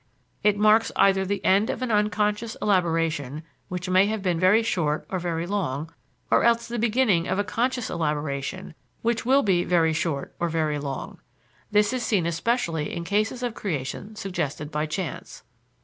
It marks either the end of an unconscious elaboration which may have been very short or very long, or else the beginning of a conscious elaboration which will be very short or very long (this is seen especially in cases of creation suggested by chance).